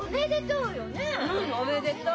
うん！おめでとう！